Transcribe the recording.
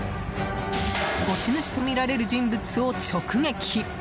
持ち主とみられる人物を直撃。